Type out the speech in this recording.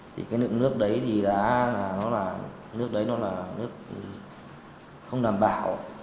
thì cái lượng nước đấy thì đã là nước đấy nó là nước không đảm bảo